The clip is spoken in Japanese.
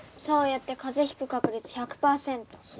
そうやって風邪引く確率１００パーセント。